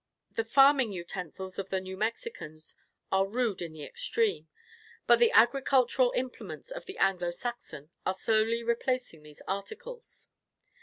The farming utensils of the New Mexicans are rude in the extreme; but the agricultural implements of the Anglo Saxon are slowly replacing these articles.